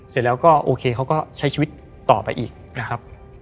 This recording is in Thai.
เสร็จแล้วก็โอเคเขาก็ใช้ชีวิตต่อไปอีกนะครับ